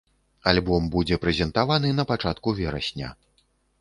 Альбом будзе прэзентаваны на пачатку верасня.